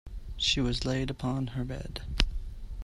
She was laid upon her bed.